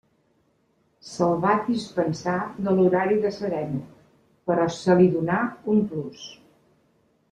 Se'l va dispensar de l'horari de sereno, però se li donà un plus.